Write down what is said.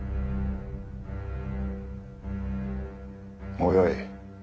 もうよい。